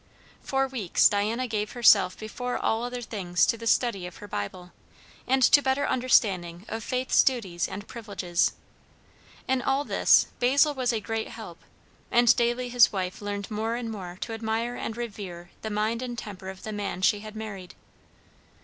For weeks Diana gave herself before all other things to the study of her Bible, and to better understanding of faith's duties and privileges. In all this, Basil was a great help; and daily his wife learned more and more to admire and revere the mind and temper of the man she had married.